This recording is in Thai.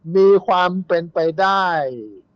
มีความเป็นไปได้